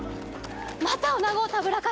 またおなごをたぶらかして！